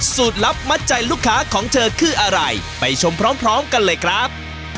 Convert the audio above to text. ลับมัดใจลูกค้าของเธอคืออะไรไปชมพร้อมกันเลยครับ